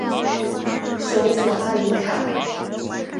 首府阿里卡。